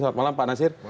selamat malam pak nasir